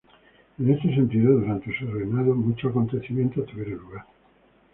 En este sentido, durante su reinado muchos acontecimientos tuvieron lugar.